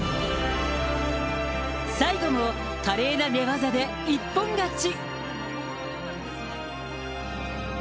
最後も華麗な寝技で一本勝ち。